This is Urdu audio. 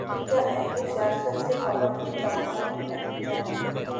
تو کیا اہل سیاست سے خیر کی توقع نہیں رکھنی چاہیے؟